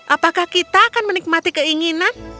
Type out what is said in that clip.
apakah kita akan menikmati keinginan